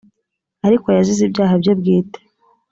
ariko yazize ibyaha bye bwite.